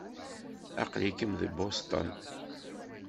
Aql-ikem deg Boston.